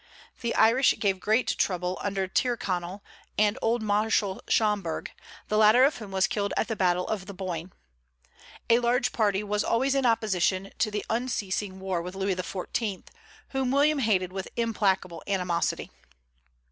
The Irish gave great trouble under Tyrconnel and old Marshal Schomberg, the latter of whom was killed at the battle of the Boyne. A large party was always in opposition to the unceasing war with Louis XIV., whom William hated with implacable animosity.